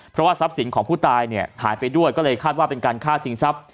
เพราะว่าทรัพย์สินของผู้ตายเนี่ยหายไปด้วยก็เลยคาดว่าเป็นการฆ่าชิงทรัพย